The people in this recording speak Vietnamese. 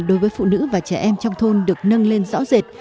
đối với phụ nữ và trẻ em trong thôn được nâng lên rõ rệt